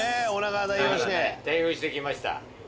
代表して来ました。